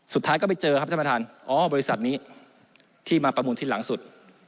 สุดท้ายก็ไปเจอครับท่านประธานอ๋อบริษัทนี้ที่มาประมูลที่หลังสุด